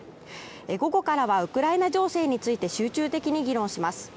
午後からはウクライナ情勢について集中的に議論します。